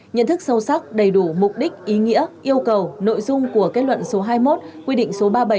nhận thức sâu sắc đầy đủ mục đích ý nghĩa yêu cầu nội dung của kết luận số hai mươi một quy định số ba mươi bảy